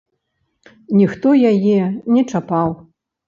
Ніхто яе не чапаў.